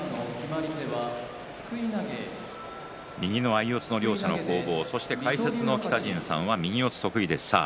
右の相四つの両者の攻防そして解説の北陣さんは右四つ得意です。